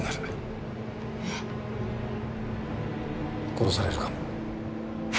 殺されるかも。